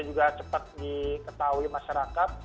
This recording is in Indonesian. juga cepat diketahui masyarakat